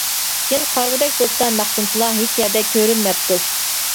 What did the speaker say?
كېيىن قارىغۇدەك بولسا مەختۇمسۇلا ھېچ يەردە كۆرۈنمەپتۇ.